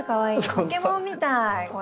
ポケモンみたいこれ。